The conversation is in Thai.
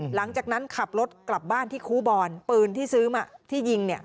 หลังจากนั้นขับรถกลับบ้านที่ครูบอลปืนที่ซื้อมาที่ยิงเนี่ย